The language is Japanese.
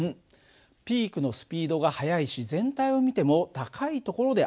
ピークのスピードが速いし全体を見ても高いところで安定してるよね。